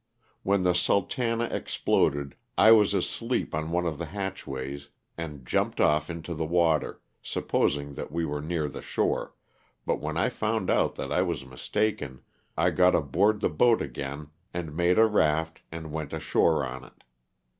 When the "Sultana" exploded I was asleep on one of the hatchways and jumped off into the water, supposing that we were near the shore, but when I found out that I was mis taken I got aboard the boat again and made a raft and went ashore on it.